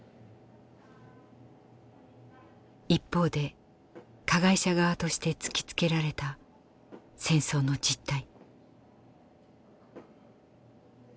一方で加害者側として突きつけられた戦争の実態。